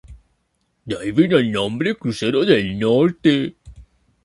De ahí vino el nombre Crucero del Norte.